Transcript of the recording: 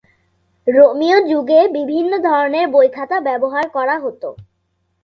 রোমীয় যুগে বিভিন্ন ধরনের বই-খাতা ব্যবহার করা হতো।